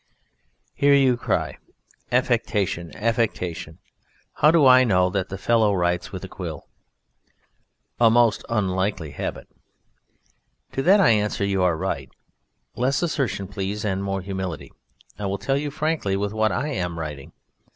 Here you cry "Affectation! Affectation! How do I know that the fellow writes with a quill? A most unlikely habit!" To that I answer you are right. Less assertion, please, and more humility. I will tell you frankly with what I am writing.